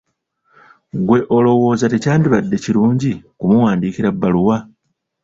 Ggwe olowooza tekyandibadde kirungi kumuwandiikira bbaluwa?